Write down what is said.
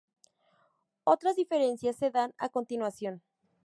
Otras diferencias se dan a continuación.